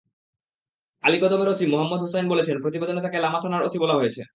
আলীকদমের OC Mohammad Hossain বলেছেন, প্রতিবেদনে তাঁকে লামা থানার ওসি বলা হয়েছে।